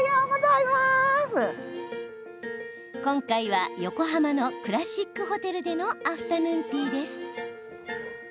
今回は横浜のクラシックホテルでのアフタヌーンティーです。